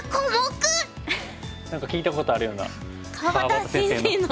何か聞いたことあるような川端先生の。